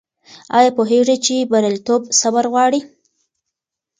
آیا پوهېږې چې بریالیتوب صبر غواړي؟